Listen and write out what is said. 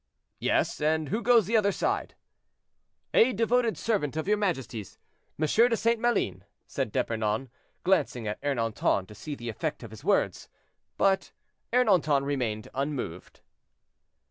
"Yes; and who goes the other side?" "A devoted servant of your majesty's, M. de St. Maline," said D'Epernon, glancing at Ernanton to see the effect of his words: but Ernanton remained unmoved.